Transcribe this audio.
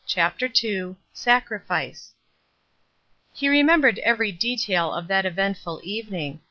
CHAPTER II SACRIFICE HE remembered every detail of that eventful evening.